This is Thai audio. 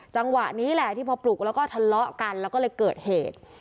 จังหวะนี้แหละที่พอปลุกแล้วก็ทะเลาะกันแล้วก็เลยเกิดเหตุ